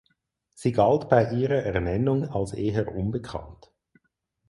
Sie galt bei ihrer Ernennung als eher unbekannt.